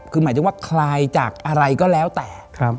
คือหมายถึงว่าคลายจากอะไรก็แล้วแต่